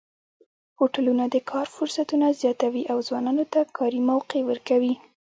هوټلونه د کار فرصتونه زیاتوي او ځوانانو ته کاري موقع ورکوي.